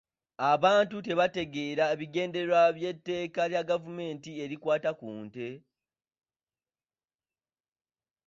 Abantu tebategeera bigendererwa by'etteeka lya gavumenti erikwata ku nte,